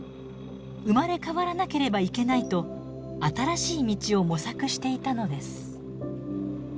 生まれ変わらなければいけないと新しい道を模索していたのです。